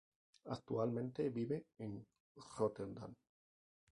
Actualmente vive en Róterdam.